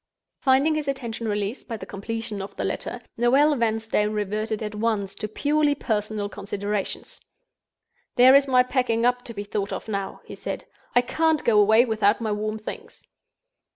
Finding his attention released by the completion of the letter, Noel Vanstone reverted at once to purely personal considerations. "There is my packing up to be thought of now," he said. "I can't go away without my warm things."